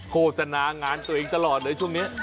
โฆษณางานตัวเองตลอดเลยช่วงนี้